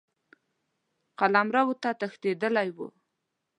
قلمرو ته تښتېدلی وو.